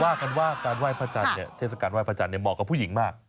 ว่ากันว่าการไหว้พระจันทร์เนี่ยเทศกาลไห้พระจันทร์เหมาะกับผู้หญิงมาก